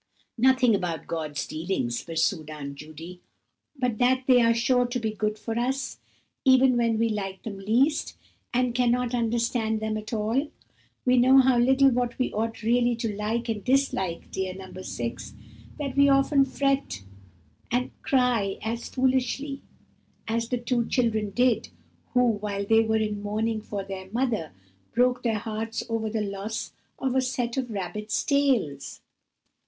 "Nothing about God's dealings," pursued Aunt Judy, "but that they are sure to be good for us, even when we like them least, and cannot understand them at all. We know so little what we ought really to like and dislike, dear No. 6, that we often fret and cry as foolishly as the two children did, who, while they were in mourning for their mother, broke their hearts over the loss of a set of rabbits' tails."